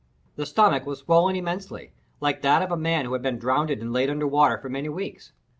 The stomach was swollen immensely, like that of a man who has been drowned and lain under water for many weeks.